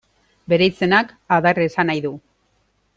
Bere izenak adar esan nahi du.